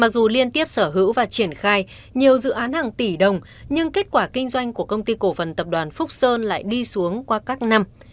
dù liên tiếp sở hữu và triển khai nhiều dự án hàng tỷ đồng nhưng kết quả kinh doanh của công ty cổ phần tập đoàn phúc sơn lại đi xuống qua các năm